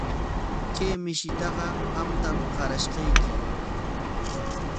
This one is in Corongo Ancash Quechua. Kay mishitaqa qamtam qarashqayki.